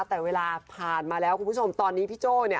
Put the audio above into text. แต่เวลาผ่านมาแล้วคุณผู้ชมตอนนี้พี่โจ้เนี่ย